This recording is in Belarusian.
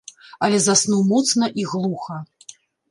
Але заснуў моцна і глуха.